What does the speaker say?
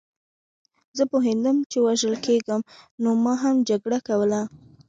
زه پوهېدم چې وژل کېږم نو ما هم جګړه کوله